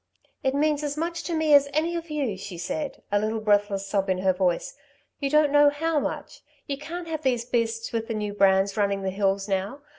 "It means as much to me as to any of you," she said, a little breathless sob in her voice. "You don't know how much. You can't have these beasts with the new brands running the hills now.